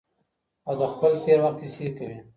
او د خپل تیر وخت کیسې کوي.